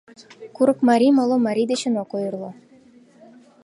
Курыкмарий моло марий дечын ок ойырло.